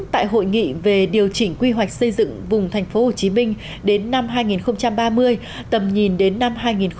tại hội nghị về điều chỉnh quy hoạch xây dựng vùng tp hcm đến năm hai nghìn ba mươi tầm nhìn đến năm hai nghìn bốn mươi năm